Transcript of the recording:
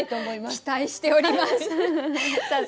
期待しております。